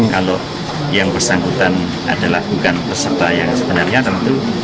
kalau yang bersangkutan adalah bukan peserta yang sebenarnya tentu